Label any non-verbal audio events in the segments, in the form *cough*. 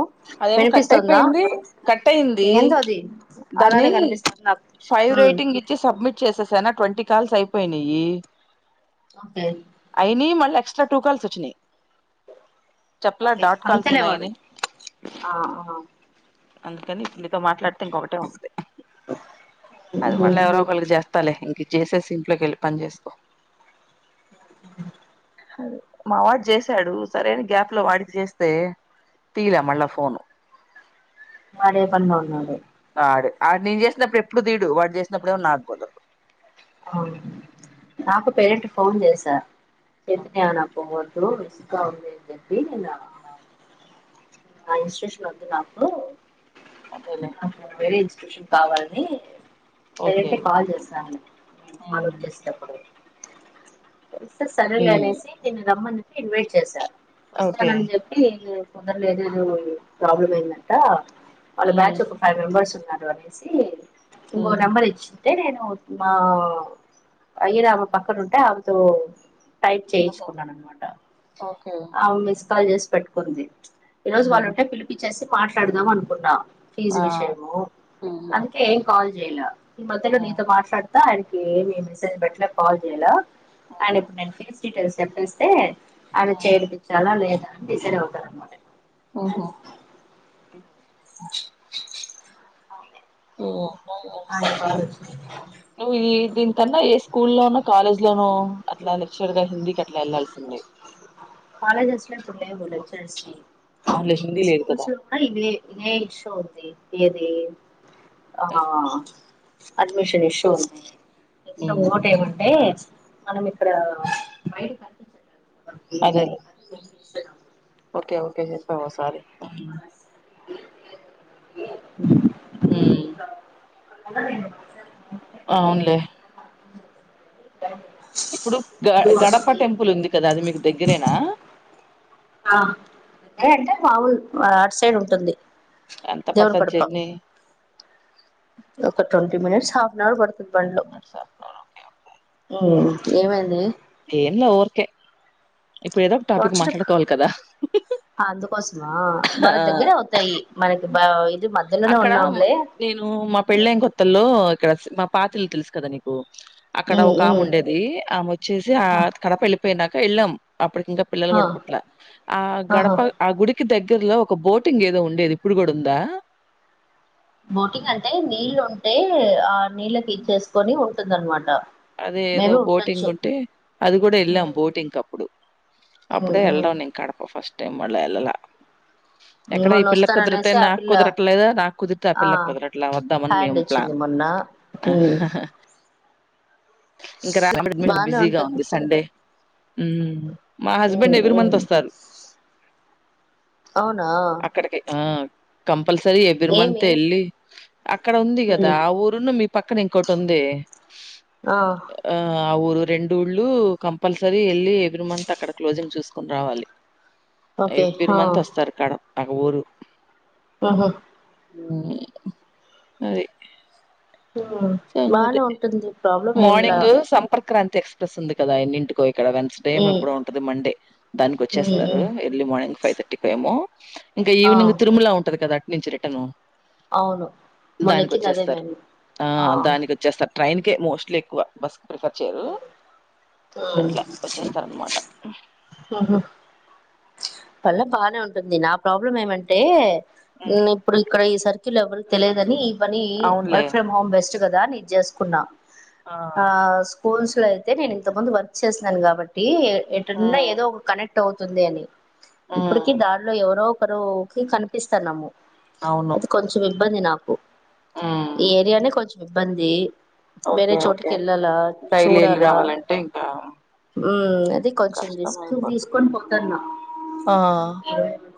ఒ అదేమో కట్ అయిపోయింది కట్ అయింది ఏందో అది అలానే దాన్ని కనిపిస్తుంది నాకు ఫైవ్ ఉమ్ రేటింగ్ ఇచ్చి సబ్మిట్ చేసేసానా ట్వంటీ కాల్స్ అయిపోయినాయి ఓకే అయినా మళ్ళ ఎక్స్ట్రా టూ కాల్స్ వచ్చినయి చెప్పలా డాట్ కాల్స్ ఉన్నాయని ఆహా అందుకని ఇప్పుడు నీతో మాట్లాడితే ఇంకొటే ఉంటంది అది ఉమ్ మళ్ళీ ఎవరో ఒకరికి చేస్త తలే ఇంక చేసేసి ఇంట్లోకి వెళ్ళి పని చేేసుకో *inaudible* అదే మావాడు చేసాడు సరై అని గ్యాప్ లో వాడికి చేస్తే తీలా మళ్ళ ఫోను వాడే పనిలో ఉన్నాడో ఆడు ఆడ్ నేను చేసినప్పుడు ఎప్పుడు తీడు వాడు చేసినప్పుడేమో నాకుదరదు ఆ నాకు పేరెంట్ ఫోన్ చేసా ఓకే చేపినాను పోవద్ అపుడు విసుగ్గా ఉందని చెపి నేను ఆ ఇన్స్టిట్యూషన్ వదు నాకు అదేలే అ వేరే ఇన్స్టిట్యూషన్ కావాలని పెరంట్ ఓకే కి కాల్ చేసను ఫాలో చేస్ టప్పుడు ఏళ్తే సరేలే అనేసి నిను రమ్మని కి ఇన్వైట్ చేశా ఓకే వస్తానని చెప్పి నేను తొందరల ఏదేదో ప్రాబ్లమ్ అయిందంట వాళ్ళ బ్యాచ్ ఒక ఫైవ్ మెంబెర్స్ ఉ నారు అనేసి ఇంకో నెంబర్ ఇచ్చింటే నేను మా ఆ అయ్యిరామ పక్కన ఉంటే ఆమెతో టైప్ ఆహా! చేయించుకున్నాను అనమాట ఓకే. ఆ మిస్ కాల్ చేసి పెట్టుకుంది ఈ రోజు వాళ్ళు హ్మ్. ఉంటే పిలిపిచ్చేసి మాట్లాడదాం అనుకున్న ఫీస్ ఆ! విషయము పిజ్జా అందుకే మ్యాన్. ఏం కాల్ చేయలా ఈ మధ్యలో హ్మ్. నీతో మాట్లాడ్ ఆయనకి ఏమీ మెసేజ్ బెట్టల కాల్ చేయాల ఆయన హ్మ్. ఇప్పుడు నేను ఫీస్ డీటెయిల్స్ చెప్పేస్తే అలా చేర్పించాలా లేదా అని డిసైడ్ అవుతారు అనమాట ఓహో అా ఓ ఆయన కాల్ వచ్చింది నువ్వు ఈ దీనికన్నా ఏ స్కూల్ లోనో కాలేజ్ లోనో అట్లా లెక్చర్ గా హిందీకి అట్లా వెళ్లాల్సింది కాలేజెస్ లు అంటు లేవు లెక్చరర్స్ కి అవునులే హిందీ ఈ లేదు కదా! స్కూల్స్ లో కూడా ఇదే ఇదే ఇష్ *unintelligible* ఏది ఆ అడ్మిషన్. అడ్మిషన్ ఇష్యూ ఉంది ఎంత హ్మ్. ఓట్ ఏమంటే మనం ఇక్కడ పైన కనిపించట్లేదా ఓకే అదేలే. ఓకే ఓకే చెప్ప ఓసారి ఉ ఊ అలా నేను బజార్ *unintelligible* అవునులే ఇప్పుడు గ గడప టెంపుల్ ఇస్తున్నాను ఉంది కదా అది మీకు దగ్గరేనా దగ్గర అంటే మాములు అటు సైడ్ ఉంటుంది ఎంత దేవుని పడతది కడప జర్నీ ఒక twenty minutes half an hour పడుతది బండ్లో మినిట్సా? ఏమైంది ఏం లే ఊర్కే ఇప్పుడు ఏదో ఒక టాపిక్ వచ్చినప్పుడు మాట్లాడుకోవాలి కదా అందుకోసమా మన ఆ! దగ్గరే అవుతాయి మనకి బా ఇ అక్కడ నేను మా పెళ్ళం కొత్తల్లో ఇక్కడ మా పాత ఇల్లు తెలుసు కదా నీకు అక్కడ ఉమ్ ఒక ఆమె ఉమ్ ఉండేది ఆమె వచ్చేసి ఆ కడప వెళ్ళిపోయినాక వెళ్ళాం అప్పటికి ఇంకా పిల్లలు ఆ కూడా పుట్ల ఆ ఆహా గడప ఆ గుడికి దగ్గి గేర్ లో ఒక బోటింగ్ ఏదో ఉండేది ఇప్పుడు కూడా ఉందా బోటింగ్ అంటే నీళ్ళు ఉంటే ఆ నీళ్ళకి ఇచ్చేసుకొని ఉంటుంది అనమాట అదే ఏదో బోటింగ్ ఉంటే అది కూడా వెళ్ళాం బోటింగ్ అప్పుడు ఉమ్ అప్పుడే ఉమ్ వెళ్లడం కడప ఫస్ట్ టైమ్ మల్ల ఎల్లలా ఎక్కడ మొన్న ఈ పిల్లలకు కుదిరితే వస్తారనేసి ఆ నాకు పిల్ల కుదరట్లేదా నాకు కుదిరితే ఆ పిల్లలకు కుదరట్లే వద్దామని హ్యాండ్ మేము ఇచ్చింది ప్లాన్ మొన్న ఆ ఉమ్ ఇంకా రా బానే బిజీగా ఉంటది ఉంది సండే మా husband um every month um వస్తారు అవునా అక్కడికి ఆ కం పల్సరీ ఎవరిమంత ఏమి వెళ్ళి అక్కడ ఉంది కదా ఉమ్ ఆ ఊరున్న మీ పక్కన ఇంకోటి ఉంది ఆ ఆ ఊరు రెండు ఊళ్ళలు కంపల్సరీ వెళ్ళి ఎవ్రీ మంత్ అక్కడ క్లోజింగ్ చూసుకుని రావాలి ఓకే ఎవరీ ఆ మంత్ వస్తారు కడప్ ఆ గ ఊరు ఉహు ఉ అది ఉ బానే సంగతి. ఉంటుంది ప్రాబ్లం ఏంలా మార్నింగ్ సంపర్క్రాంతి ఎక్స్ప్రెస్ ఉంది కదా ఆయన్ని ఇంటికో ఇక్కడ వెన్స్డేమో హ్మ్ ఎప్పుడో ఉంటది మండే దానికి హ్మ్ వచ్చేస్తారు హ్మ్ ఎర్లీ మార్నింగ్ ఫైవ్ థర్టీకి ఏమో ఇంకా ఆ ఈవినింగ్ తిరుమల ఉంటుది కదా అటు నుంచి రిటర్న్ అవును మొన్నెక్కింది అదే దానికిొచ్చేస్తారు మేము ఆ దానికి వచ్చేస్తారు ట్రైన్ కే మోస్ట్లీ ఎక్కువ బస్ ప్రిఫర్ చేయరు హ్మ్ అట్లా వచ్చేస్తారన్నమాట ఉహు ల్ బానే ఉంటుంది నా ప్రాబ్లం ఏమంటే హ్మ్. ఇప్పుడు ఇక్కడ ఈ సరి కిల్ వరు తెలియదని ఈ పని అవునులే. వర్క్ ఫ్రమ్ హోమ్ బెస్ట్ కదా అని ఇది చేసుకున్నా ఆ స్కూల్స్ లో అయితే నేను ఇంత ముందు వర్క్ చేసిన్నాను కాబట్టి ఎటున్నా హ్మ్. ఏదో ఒక కనెక్ట్ అవుతుంది అని ఇప్పడుకి హ్మ్. దరీలో ఎవరో ఒకరుకి కనిపిస్తాన్నాము అవును. అది కొంచెం ఇబ్బంది నాకు హ్మ్. ఈ ఏరియానే కొంచెం ఇబ్బంది వేరే ఓకే. చోటుకి ఓకే. వెళ్ళాలా డైలీ ఎళ్లి చూడాల రావాలంటే ఇంకా ఉ అది కొంచెం రిస్క్ కష్టమైపోతది. తీసుకొని పోతన్న ఆ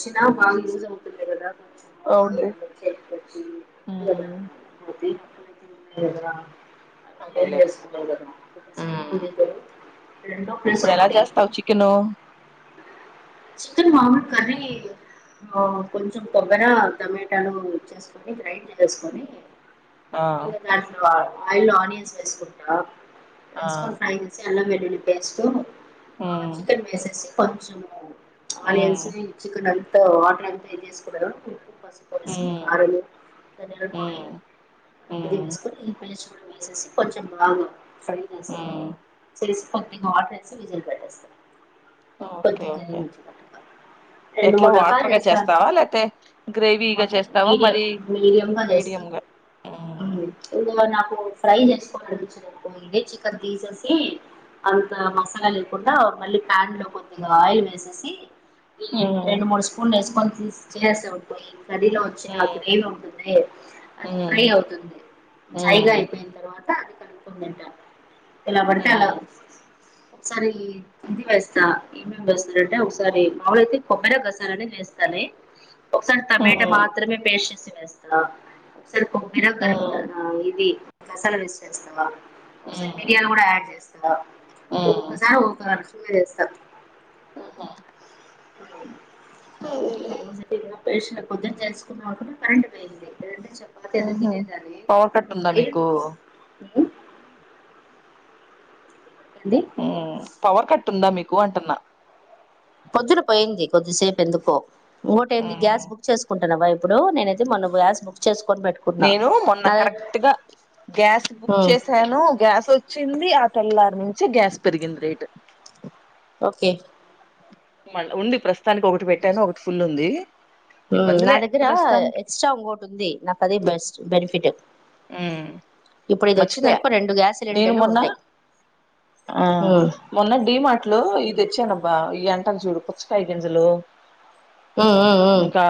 చిన బాగా యూజ్ అవుతుంది కదా అవునులే. ఇట్లొచ్చి ఇంగమా హ్మ్. అది నేనింగా డియర్ అదేలే. చేసుకుంటా హ్మ్. పోతున్న ఇద్దరూ రండో ప్లేస్ ఒకటి ఓ చికెన్ మామూలు కర్రీ ఏయిదు ఆ కొంచెం కొబ్బెర టమేటాను ఇచ్చేసుకొని గ్రైండ్ చేసుకొని ఆ! ఇంకా దాంట్లో ఆయిల్ లో ఆనియన్స్ వేసుకుంటా ఆ! వేసుకొని ఫ్రై సే అల్లం వెల్లుల్లి పేస్టు ఆ హ్మ్. చికెన్ వేసేసి కొంచము హ్మ్. ఆనియన్స్ ని చికన్ అంత వాటర్ అంత ఇది వేసేసుకున్నారు పసుపు పొడి వేసి హ్మ్. కారము ధనియాల పొడి హ్మ్. హ్మ్. వేయించుకొని ఈ పేస్ట్ వేసేసి కొంచం బాగా సైన్ ఏస్తా హ్మ్. కొద్దిగా వాటర్ వేసి విజిల్ పెట్టేస్తా ఓకే కొద్దిగా ఓకే రెండు ఎట్లా మూడు రకాలు వాటర్ గా చేస్తాను చేస్తావా లేపోతే గ్రేవీగా మొత్తం చేస్తావా మీడియం మరి మీడియం గ ఏదో నాకు ఫ్రై చేసుకోనిడిపించు ఇదే చికెన్ తీసేసి అంత మసాలా లేకుండా మళ్ళీ ప పాన్ లో కొద్దిగా ఆయిల్ వేసే ఉమ్ రెండు మూడు స్పూన్లు వేసుకొని తీసి చేసే ఉయి కర్రీ లో వచ్చి నా ఉమ్ గ్రేవీ ఉంటుంది అది ఫ్రై అవుతుంది డ్రైగా ఉమ్ అయిపోయిన తర్వాత అది అనుకుందంట ఇలా పడితే అలా ఉమ్ ఒకసారి ఇది వేస్తా ఏమేం వేస్తారంటే మామూలైతే కొబ్బర గసాలనదేస్తాను ఒకసారి ఉమ్ టమాటా మాత్రమే పేస్ట్ చేసి యేస్తా ఒకసారి కొబ్బిర గర ఉమ్ ఇది గసాలు వేస్ చేస్తావా ఒకసారి మిరియాలు గూడా యాడ్ జేస్తా ఉమ్ ఒక్కసారి ఒక్క రకంగా చేస్తా ఆహ పేష కొద్ది చేసుకున్నాండా కరెంట్ పోయింది క పాత ఎంత ఉహు తినందాలే పవర్ కట్ ఉందా అ మీకు ఏంది ఊ పవర్ కట్టు ఉందా మీకు అంటున్నా పొద్దున పోయింది కొద్దిసేపు ఎందుకో ఇంకోటి ఏంది ఉమ్ గ్యాస్ బుక్ చేసుకుంటా న్నావ ఇప్పుడు నేనైతే మొన గ్యాస్ బుక్ చేసుకు నేను మొన్న కరెక్ట్గా గ్యాస్ బుక్ ఉమ్ చేసాను గ్యాస్ వచ్చింది తెల్లరు నుంచే గ్యాస్ పెరిగింది రేట్ ఓకే మళ్ ఉంది ప్రస్తుతానికి ఒకటి పెట్టాను ఒకటి ఫుల్ ఉంది నా ఇబ్బందిలే దగ్గర ప్రస్తుతానికి ఎక్స్ట్రా ఇంగోటుంది నాకు అది బెస్ట్ బెనిఫిట్ ఉమ్ మర్చిపోయా ఇప్పుడిదోచ్చిందనుకో రెండు గ్యాస్ నేను సిలిండర్లు మొన్న ఉంటాయి ఆ ఉమ్ మొన్న డి మార్ట్ లో ఇది వచ్చేన బా ఇ అంటను చూడు పుచ్చకాయ గింజలు ఉ ఇంకా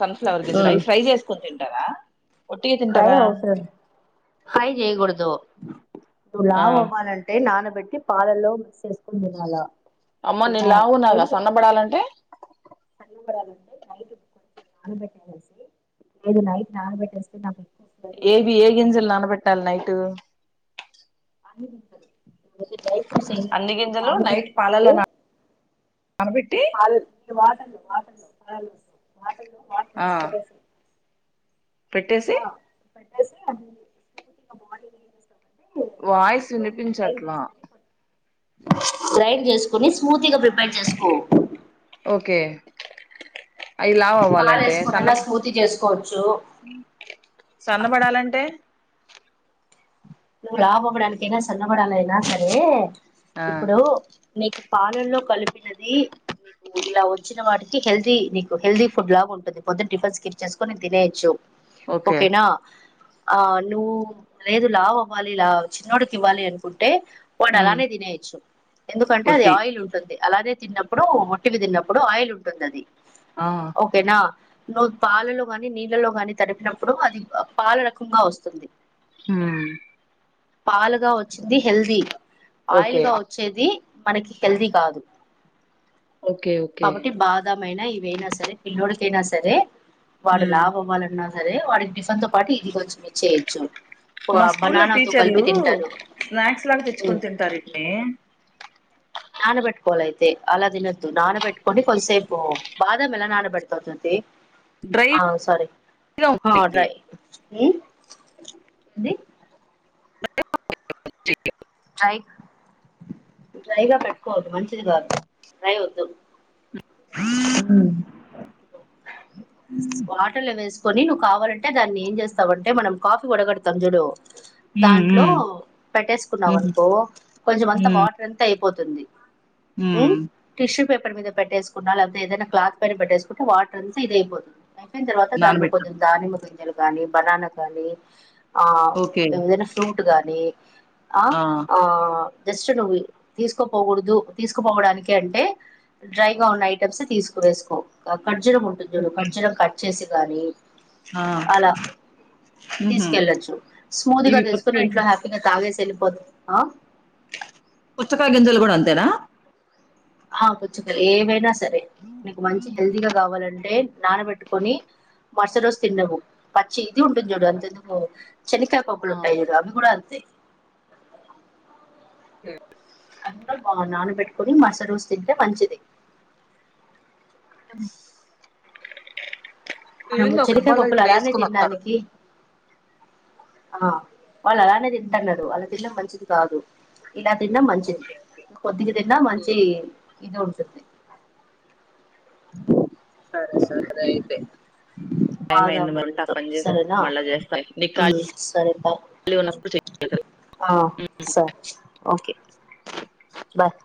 సన్ఫ్లవర్ ఉమ్ గింజలవి ఫ్రై చేసుకొని తింటారా ఒట్టిగా ఫ్రై తింటారా ఫ్రై జేయకూడదు నువ్వు ఆ లావవ్వాలంటే నాన బెట్ పాలలో మిక్స్ చేసుకుని తినాలా అమ్మ నే ఓకేనా లావు ఉన్నాగా సన్నపడాలంటే సన్నబాడాలంటే నైట్ నానబెట్టిసి మీరు నైట్ నానబెట్టేస్తి ఏవి ఏ గింజలు నానబెట్టాలి నైట్ అఐ ఇ దడై అన్ని సరే గింజలు నాలుగు కటి నైట్ తింటే పాలలో నానబెట్టి *inaudible* వాటర్ ఆ వేసి పెట్టేసి పెట్టేసి ఓకేనా పెట్టేసి అది *unintelligible* వాయిసు గ్రైండ్ వినిపించట్లా చేసుకొని గ్రైండ్ చేసుకొని స్మూతీగా ప్రిపేర్ చేసుకో ఓకే అయి లావు పాలు అవ్వాలంటే సన్న వేసుకొనైనా స్మూతీ చేసుకోవచ్చు సన్న పడాలంటే లావు అవ్వడానికైనా సన్నబడాలయినా సరే ఆ ఇప్పుడు నీకు పాలలో కలిపినది ఇలా వచ్చిన వాటికి హెల్దీ నీకు హెల్దీ ఫుడ్ లాగా ఉంటుంది పొద్దున టిఫిన్స్ స్కిప్ చేసుకుని ఇది తినేయచ్చు ఓకే ఓకేనా ఆ నువ్వు లేదు లావు వ్వాలి లా చిన్నోడుకి ఇవ్వాలి అనుకుంటే పోనీ ఉమ్ అలానే తినేయచ్చు ఎందుకంటే అది ఒట్టి ఆయిల్ ఉంటుంది అలానే తిన్నప్పుడు, ఓట్టివి తిన్నప్పుడు ఆయిల్ ఉంటుంది అది ఆ ఓకేనా. నువ్వు పాలలో గాని నీళ్ళలో గాని తడిపినప్పుడు, అది పాల రకంగా వస్తుంది. మ్ పాలుగా వచ్చింది హెల్దీ. ఓకే ఆయిల్గా వచ్చేది మనకి హెల్తీ కాదు. ఓకే ఓకే అవయినా ఇవయినా సరే పిల్లోడికైనా సరే వాడు మ్మ్ లావు అవ్వాలన్నా సరే వాడికి టిఫన్ తో పాటు ఇది కొంచెం ఇచ్చేయొచ్చు. స్కూలో బనానాతో టీచర్లు కలిపి తింటారు స్నాక్స్ లాగా తెచ్చుకుని తింటారు ఈట్ని. నానబెట్టి పోల అయితే అలా తినొచ్చు. నానబెట్టుకొని కొద్దిసేపు బాదం ఎలా నానబెడుతావు. డ్రై ఆ సరే గా ఆ అట్లాగే ఊ ఏంది *unintelligible* డ్రై డ్రైగా పెట్టుకోవద్దు మంచిది కాదు డ్రై వద్దు *inaudible* వాటర్లో వేసుకొని, నువ్వు కావాలంటే దాన్ని ఏం చేస్తావంటే మనం కాఫీ వడగడతాం చూడు దాంట్లో మ్మ్ పెట్టేసుకున్నావు మ్మ్ అనుకో కొంచెం అంతా మ్మ్ వాటర్ అంత అయి పోతుంది ఊ మ్మ్ టిష్యూ పేపర్ మీద పెట్టేసుకున్నా లేకపోతే ఏదైనా క్లాత్ పైన పెట్టేసుకుంటే వాటర్ అంత ఇది అయిపోతుంది. అయిపోయిన తర్వాత దానిలో నానబెట్టాం కొంచెం దానిమ్మ గింజలు గాని, బనానా గాని ఆ ఓకే ఏదైనా ఫ్రూట్ గాని అ ఆ జస్ట్ నువ్వు తీసుకోపోకూడదు తీసుకుపోవడానికి అంటే డ్రైగా ఉన్న ఐటమ్స్ తీసుకువె సుకో ఖర్జూరం ఉంటుంది చూడు ఓకే ఖర్జూరం కట్ చేసి గాని ఆ అలా మ్హూ తీసుకెళ్ళొచ్చు. స్మూది గా ఇవి తీసుకుని పుచ్చకాయ ఇంట్లో హ్యాపీగా తాగేసి వెళ్ళిపోతుంది. పుచ్చకాయ గింజలు కూడా అంతేనా ఆ పుచ్చుకలు ఏవైనా సరే నాకు మంచి హెల్దీగా కావాలంటే. అంటే నానబెట్టుకొని మరుసటి రోజు తినలేవు పచ్చి ఇది ఉంటుంది చూడు అంతెందుకు. చెనకాయ ఆ పప్పులు ఉంటాయి అవి కూడా అంతే. ఉ అది నాన పెట్కోని మరుసటి రోజు తింటే మంచిది. ధన్వా *unintelligible* చెనికాయ పప్పులు ఇట్లా అలానే వేసుకుని వత్తారు తిండానికి. ఆ వాళ్ళు అలానే తింటన్నారు అలా తినడం మంచిది కాదు. ఇలా తిన్నా మంచిది ఓకే ఓకే కొద్దిగా తిన్నా మంచి మ్మ్ ఇది ఉంది. *inaudible* సరే సరే అయితే టైం అయింది బాదాం మరి ఉంటా. పని చేసి వస్తా సరేనా మళ్ళా చేస్తా నీ ఉమ్ ఖాళీన్నప్పుడు చేయ్ ఊ సరే, ఓకే. *inaudible* బై